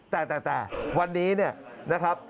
แต่วันนี้นะครับ